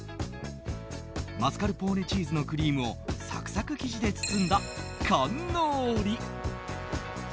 マスカルポーネチーズのクリームをサクサク生地で包んだカンノーリ。